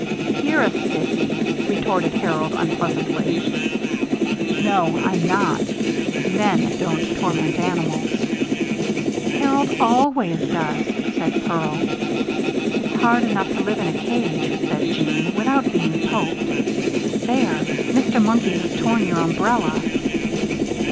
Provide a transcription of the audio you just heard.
"You're a sissy," retorted Harold, unpleasantly. "No, I'm not. Men don't torment animals." "Harold always does," said Pearl. "It's hard enough to live in a cage," said Jeanne, "without being poked. There! Mr. Monkey has torn your umbrella."